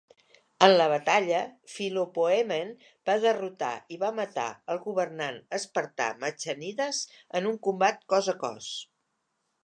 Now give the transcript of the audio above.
En la batalla, Filopoemen va derrotar i va matar el governant espartà Machanidas en un combat cos a cos.